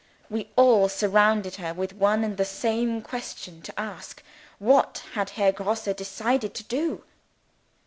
We all surrounded her, with one and the same question to ask. What had Herr Grosse decided to do?